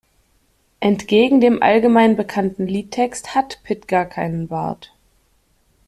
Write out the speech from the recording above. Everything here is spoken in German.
Entgegen dem allgemein bekannten Liedtext hat Pit gar keinen Bart.